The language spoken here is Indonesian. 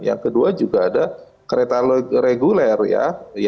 yang kedua juga ada kereta reguler ya